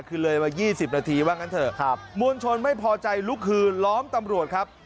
คือเลยมา๒๐นาทีว่างั้นเถอะครับมวลชนไม่พอใจลุกคืนล้อมตำรวจครับ